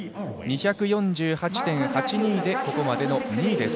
２４８．８２でここまでの２位。